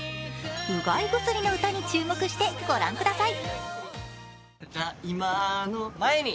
「うがい薬の歌」に注目して御覧ください。